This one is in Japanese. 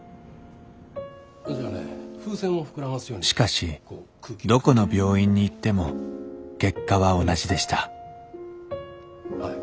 しかしどこの病院に行っても結果は同じでした